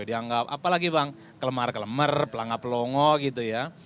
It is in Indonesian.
dianggap apalagi bang kelemar kelemer pelangga pelongo gitu ya